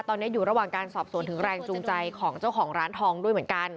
ตอนนี้อยู่ระหว่างการสอบสวนถึงแรงจูงใจของเจ้าของร้านทองด้วยเหมือนกัน